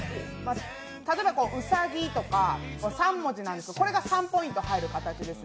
例えば、うさぎとか３文字なんですけどこれが３ポイント入る形です。